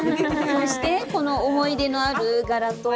そしてこの思い出のある柄と。